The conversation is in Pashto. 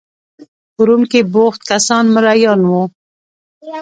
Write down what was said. په روم کې بوخت کسان مریان وو.